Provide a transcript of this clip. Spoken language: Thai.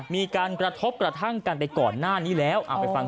มีการกระทบกระทั่งกันแต่ก่อนหน้านี้แล้ว